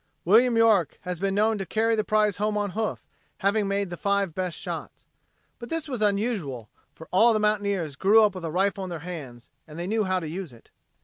William York has been known to carry the prize home on hoof having made the five best shots. But this was unusual, for all the mountaineers grew up with a rifle in their hands and they knew how to use it.